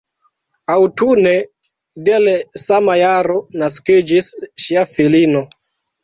Aŭtune de le sama jaro naskiĝis ŝia filino.